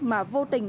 mà vô tình